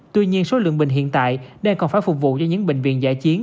tuy nhiên số lượng bệnh hiện tại đây còn phải phục vụ cho những bệnh viện giải chiến